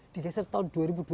digeser tahun dua ribu dua puluh